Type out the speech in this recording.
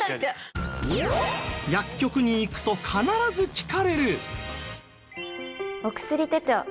薬局に行くと必ず聞かれる。